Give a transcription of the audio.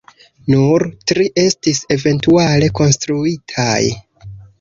Nur tri estis eventuale konstruitaj.